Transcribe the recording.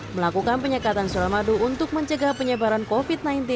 melakukan penyekatan suramadu untuk mencegah penyebaran covid sembilan belas